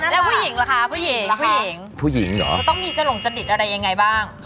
เราต้องมีจวงความรู้สึกจริงอะไรยังไงบ้าง